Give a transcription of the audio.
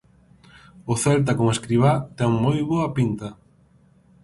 O Celta con Escribá ten moi boa pinta.